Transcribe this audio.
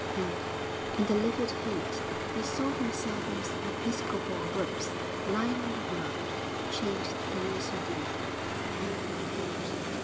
And, in the livid heat, he saw himself in his episcopal robes, lying on the ground, chained to Doña Sodina, hand and foot.